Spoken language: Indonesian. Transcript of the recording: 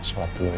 sholat dulu ya